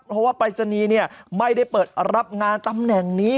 เพราะว่าปรายศนีย์ไม่ได้เปิดรับงานตำแหน่งนี้